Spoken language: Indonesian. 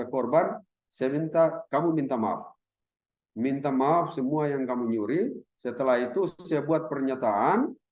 korban saya minta kamu minta maaf minta maaf semua yang kamu nyuri setelah itu saya buat pernyataan